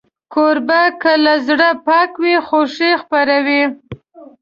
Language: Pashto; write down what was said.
کوربه که له زړه پاک وي، خوښي خپروي.